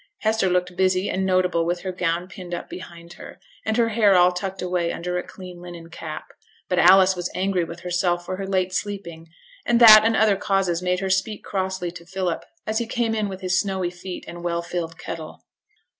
Hester looked busy and notable with her gown pinned up behind her, and her hair all tucked away under a clean linen cap; but Alice was angry with herself for her late sleeping, and that and other causes made her speak crossly to Philip, as he came in with his snowy feet and well filled kettle.